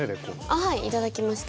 はい頂きました。